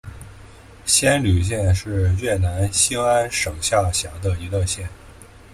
仙侣县是越南兴安省下辖的一个县。